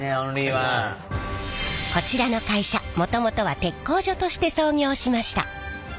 こちらの会社もともとは鉄工所として創業しました。